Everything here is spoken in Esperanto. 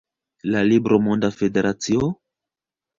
La libro Monda Federacio?